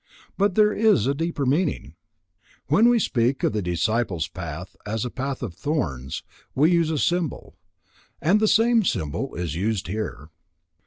But there is a deeper meaning. When we speak of the disciple's path as a path of thorns, we use a symbol; and the same symbol is used here.